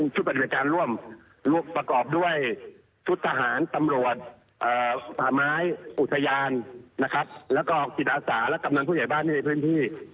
จุดสหารตำรวจผ่าไม้อุทยานจิตรศาสตร์และกำลังผู้ใหญ่บ้านในพื้นที่